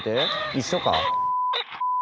一緒か？